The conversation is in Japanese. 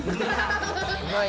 うまい？